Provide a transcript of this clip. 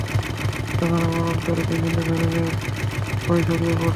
তখন আমার অন্তরে বিভিন্ন ধরনের ভয় ছড়িয়ে পড়ল।